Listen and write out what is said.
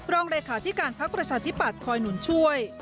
รองเรขาที่การพรรคประชาธิบัติคอยหนุนช่วย